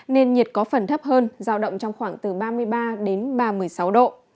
nền nhiệt có phần thấp hơn rào động trong khoảng từ ba mươi ba ba mươi sáu độ